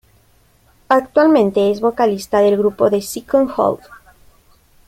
Actualmente es vocalista del grupo The Second Howl.